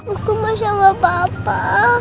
aku mau sama papa